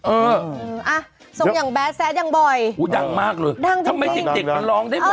เออสงหยังแบดแซทอย่างบ่อยดังมากเลยทำไมเด็กก็ร้องได้หมดเลย